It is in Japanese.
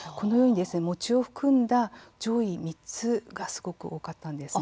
餅を含んだ上位３つがすごく多かったんです。